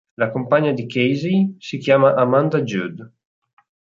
La compagna di Casey si chiama Amanda Judd.